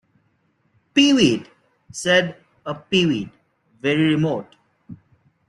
"Peewit," said a peewit, very remote.